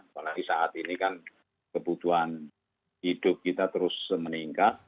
apalagi saat ini kan kebutuhan hidup kita terus meningkat